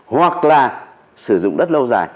hoặc là sử dụng đất lâu dài